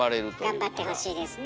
頑張ってほしいですね。